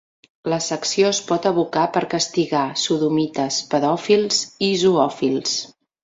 La secció es pot evocar per castigar sodomites, pedòfils i zoòfils.